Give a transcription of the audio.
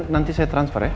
nanti saya transfer ya